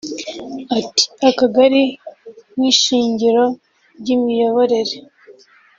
Ati “Akagari nk’ishingiro ry’imiyoborere